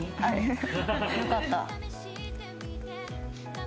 よかった。